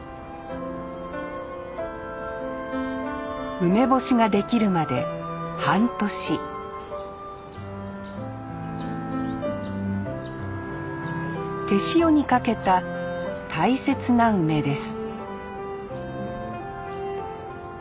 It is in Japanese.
梅干しができるまで半年手塩にかけた大切な梅です